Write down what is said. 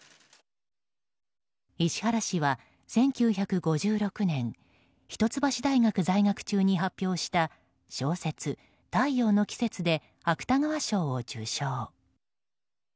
石原氏は１９５６年一橋大学在学中に発表した小説「太陽の季節」で芥川賞を受賞。